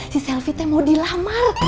si selvi teh mau dilamar